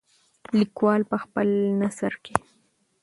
لیکوال په خپل نثر کې.